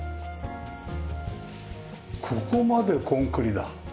ここまでコンクリだ。